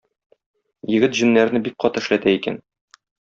Егет җеннәрне бик каты эшләтә икән.